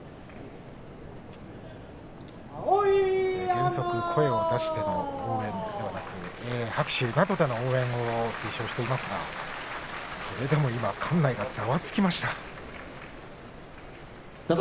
原則、声を出しての応援ではなく拍手での応援を推奨していますが今、館内がざわつきました。